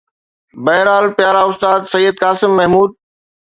بهرحال پيارا استاد سيد قاسم محمود